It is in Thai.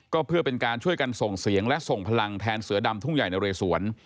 ก็เพื่อเป็นการช่วยกันส่งเสียงและส่งพลังแทนเสือดำทุ่งใหญ่นะเรสวน